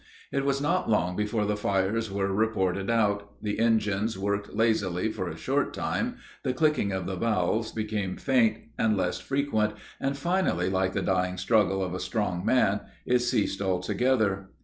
It was not long before the fires were reported out the engines worked lazily for a short time, the clicking of the valves became faint and less frequent, and finally, like the dying struggle of a strong man, it ceased altogether.